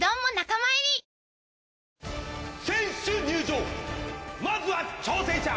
まずは挑戦者。